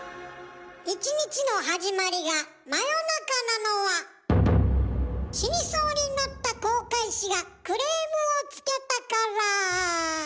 １日の始まりが真夜中なのは死にそうになった航海士がクレームをつけたから。